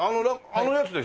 あのやつでしょ？